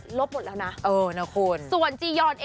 ซึ่งเจ้าตัวก็ยอมรับว่าเออก็คงจะเลี่ยงไม่ได้หรอกที่จะถูกมองว่าจับปลาสองมือ